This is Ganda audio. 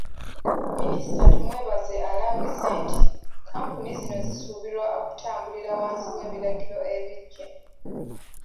Minisita Tumwebaze alambise nti kkampuni zino zisuubirwa okutambulira wansi w'ebiragiro ebiggya.